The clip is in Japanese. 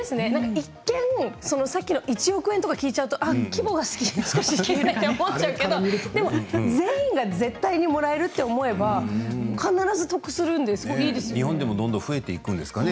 一見さっきの１億円とか聞いちゃうと規模が少しと思っちゃうけど全員が絶対にもらえると思えば必ず得するんですよね。